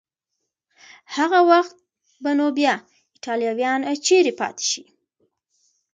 هغه وخت به نو بیا ایټالویان چیري پاتې شي؟